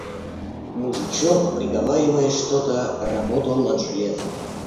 Мужичок, приговаривая что-то, работал над железом.